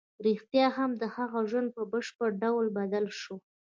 رښتیا هم د هغه ژوند په بشپړ ډول بدل شو